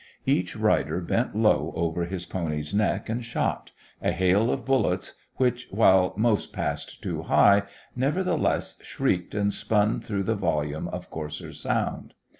Each rider bent low over his pony's neck and shot a hail of bullets, which, while most passed too high, nevertheless shrieked and spun through the volume of coarser sound.